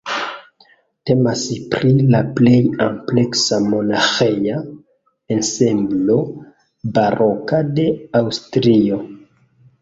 Temas pri la plej ampleksa monaĥeja ensemblo baroka de Aŭstrio.